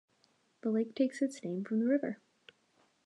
The lake takes its name from the river.